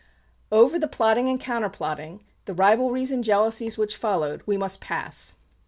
Over the plotting and counterplotting, the rivalries and jealousies which followed, we must pass.